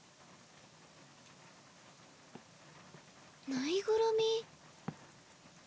ぬいぐるみ？